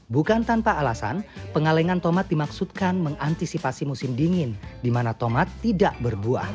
bukan tanpa alasan pengalengan tomat dimaksudkan mengantisipasi musim dingin di mana tomat tidak berbuah